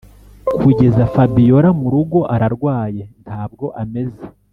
kugeza fabiora murugo ararwaye ntabwo ameze